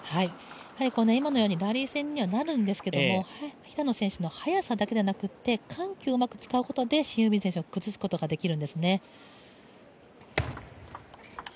今のようにラリー戦にはなると思うんですけど、平野選手の速さだけではなくて緩急うまく使うことでシン・ユビン選手を崩すことができるんですね。